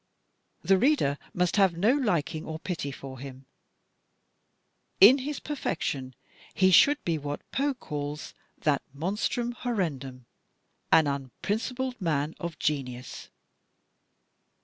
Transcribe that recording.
The reader must have no liking or pity for him. In PERSONS IN THE STORY 237 his perfection he should be what Poe calls, "that monstrum horrendum, an unprincipled man of genius."